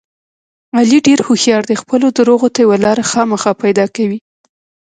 علي ډېر هوښیار دی خپلو درغو ته یوه لاره خامخا پیدا کوي.